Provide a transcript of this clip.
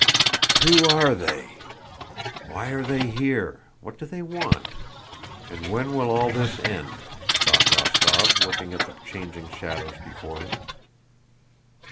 "Who are they? Why are they here? What do they want? And when will all this end?" thought Rostóv, looking at the changing shadows before him.